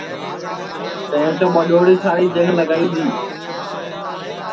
تیں تو ٻڈؔوڑی ساری جنگ لگائی دؔی